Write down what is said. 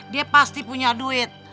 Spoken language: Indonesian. dia pasti punya duit